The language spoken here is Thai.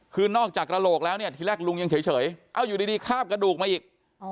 คือนอกจากกระโหลกแล้วเนี่ยทีแรกลุงยังเฉยเอาอยู่ดีคาบกระดูกมาอีก